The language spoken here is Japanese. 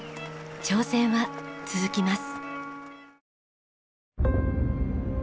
挑戦は続きます。